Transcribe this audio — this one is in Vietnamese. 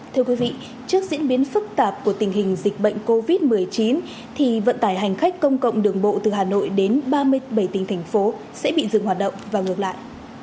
thưa quý vị trước diễn biến phức tạp của tình hình dịch bệnh covid một mươi chín thì vận tải hành khách công cộng đường bộ từ hà nội đến ba mươi bảy tỉnh thành phố sẽ bị dừng hoạt động và ngược lại